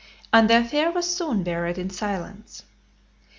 And the affair was soon buried in silence.